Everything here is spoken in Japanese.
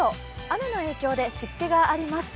雨の影響で湿気があります。